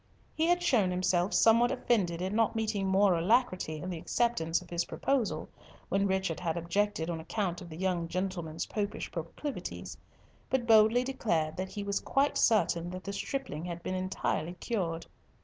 He had shown himself somewhat offended at not meeting more alacrity in the acceptance of his proposal, when Richard had objected on account of the young gentleman's Popish proclivities; but boldly declared that he was quite certain that the stripling had been entirely cured.